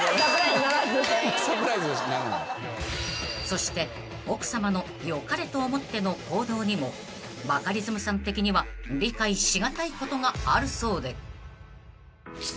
［そして奥さまの良かれと思っての行動にもバカリズムさん的には理解し難いことがあるそうで］